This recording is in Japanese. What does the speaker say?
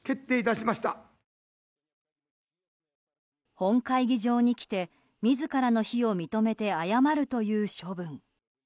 本会議場に来て自らの非を認めて謝るという処分。